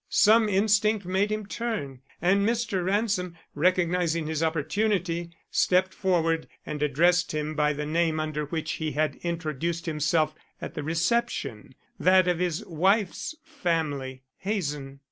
Some instinct made him turn, and Mr. Ransom, recognizing his opportunity, stepped forward and addressed him by the name under which he had introduced himself at the reception; that of his wife's family, Hazen.